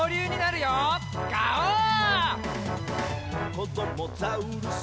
「こどもザウルス